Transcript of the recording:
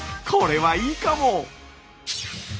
これはいいかも！